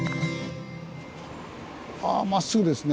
あまっすぐですね。